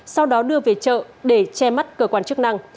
sau đó đưa về chợ để che mắt cơ quan chức năng